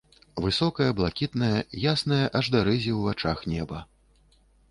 Высокае блакітнае, яснае аж да рэзі ў вачах неба.